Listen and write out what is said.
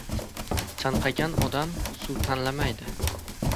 • Chanqagan odam suv tanlamaydi.